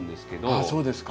あっそうですか。